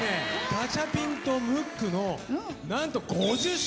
ガチャピンとムックの何と５０周年！